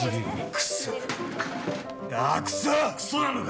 クソなのか？